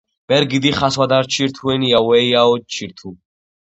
ბერგი დიხას ვადაჩირთჷნია ვეჲოჩირთუ